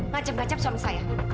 ngajem ngajem suami saya